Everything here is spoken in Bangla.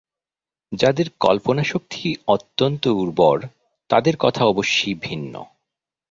যাদের কল্পনাশক্তি অত্যন্ত উর্বর তাদের কথা অবশ্যি ভিন্ন।